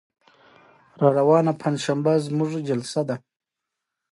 لومړۍ درجه یوه ترفیع او څلور میاشتې معاش.